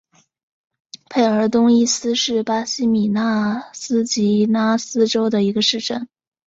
佩尔东伊斯是巴西米纳斯吉拉斯州的一个市镇。